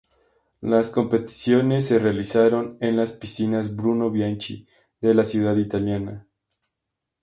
Las competiciones se realizaron en las Piscinas Bruno Bianchi de la ciudad italiana.